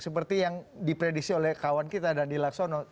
seperti yang diprediksi oleh kawan kita dandi laksono